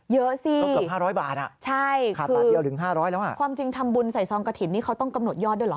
เยอะสิใช่คือความจริงทำบุญใส่ซองกระถินนี่เขาต้องกำหนดยอดด้วยหรือ